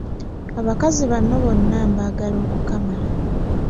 Abakazi bano bonna mbaagala okukamala.